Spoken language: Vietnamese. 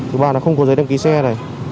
thứ ba là không có giấy đăng ký xe này